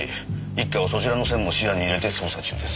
一課はそちらの線も視野に入れて捜査中です。